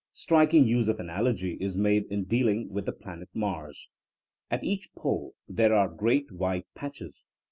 Striking use of analogy is made in dealing with the planet Mars. At each pole there are great white patches.